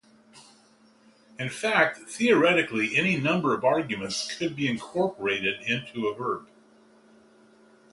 In fact, theoretically any number of arguments could be incorporated into a verb.